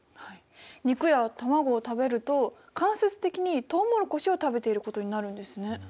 肉や卵を食べると間接的にとうもろこしを食べてることになるんですね。